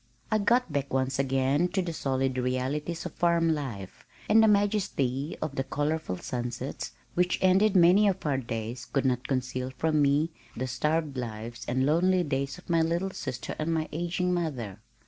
I got back once again to the solid realities of farm life, and the majesty of the colorful sunsets which ended many of our days could not conceal from me the starved lives and lonely days of my little sister and my aging mother.